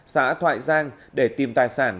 xã thoại giang để tìm tài sản